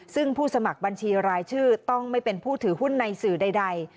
ซึ่งผู้สมัครบัญชีรายชื่อต้องไม่เป็นผู้ถือหุ้นในสื่อใด